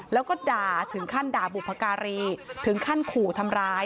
แล้วก็ด่าถึงขั้นด่าบุพการีถึงขั้นขู่ทำร้าย